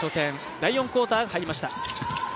第４クオーターに入りました。